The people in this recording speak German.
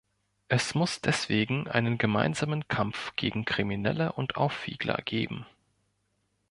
Es muss deswegen einen gemeinsamen Kampf gegen Kriminelle und Aufwiegler geben.